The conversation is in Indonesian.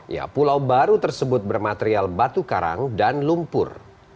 ya pulau baru tersebut bermaterial batu karang dan lumpur